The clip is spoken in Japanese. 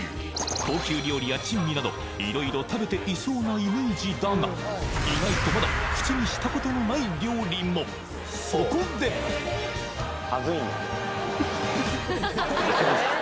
高級料理や珍味など色々食べていそうなイメージだが意外とまだ口にしたことのない料理もそこで恥ずいんよ